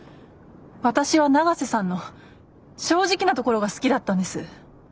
私は永瀬さんの正直なところが好きだったんです。